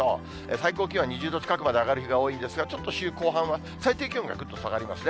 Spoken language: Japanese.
最高気温２０度近くまで上がる日が多いんですが、ちょっと週後半、最低気温がぐっと下がりますね。